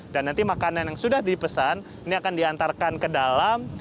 dan nanti makanan yang sudah dipesan ini akan diantarkan ke dalam